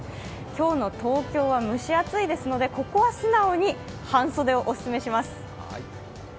今日の東京は蒸し暑いですのでここは素直に半袖をオススメします。